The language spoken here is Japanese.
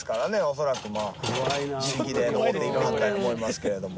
恐らくまぁ自力で登っていかはったんや思いますけれども。